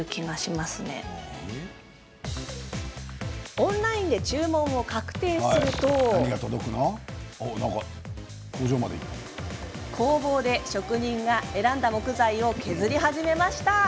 オンラインで注文を確定すると工房で職人が選んだ木材を削り始めました。